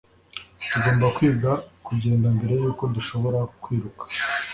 Tugomba kwiga kugenda mbere yuko dushobora kwiruka